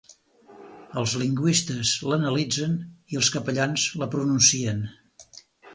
Els lingüistes l'analitzen i els capellans la pronuncien.